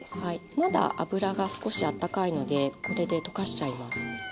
まだ油が少しあったかいのでこれで溶かしちゃいます。